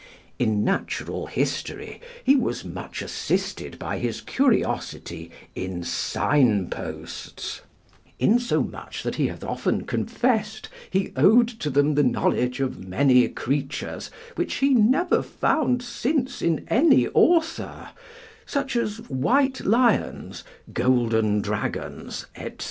In natural history he was much assisted by his curiosity in sign posts; insomuch that he hath often confessed he owed to them the knowledge of many creatures which he never found since in any author, such as white lions, golden dragons, etc.